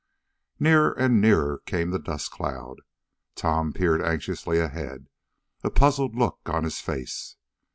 Nearer and nearer came the dust cloud. Tom peered anxiously ahead, a puzzled look on his face.